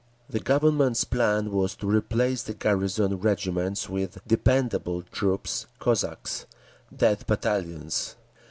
The Government's plan was to replace the garrison regiments with "dependable" troops—Cossacks, Death Battalions.